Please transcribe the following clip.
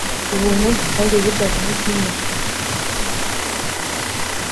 Kuva uwo munsi cyagiye gicapwa nk'ikinyamakuru